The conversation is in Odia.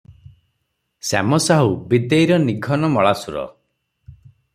ଶ୍ୟାମ ସାହୁ ବିଦେଇର ନିଘନ ମଳାଶୁର ।